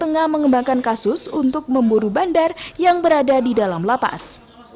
tengah mengembangkan kasus untuk memburu bandar yang berada di dalam lapas